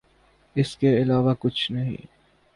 اس کے علاوہ کچھ نہیں۔